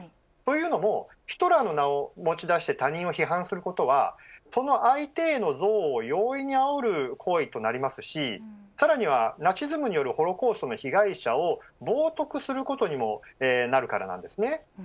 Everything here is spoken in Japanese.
というのもヒトラーの名を持ち出して他人を批判することはその相手への憎悪を容易にあおる行為となりますしさらにはナチズムによるホロコーストの被害者を冒とくすることにもなるからなんです。